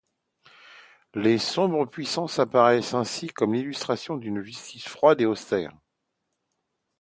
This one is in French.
Les Sombres Puissances apparaissent ainsi comme l'illustration d'une justice froide et austère.